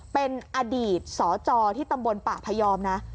เป็นอดีตสจที่ตำบลป่าพยอมนะ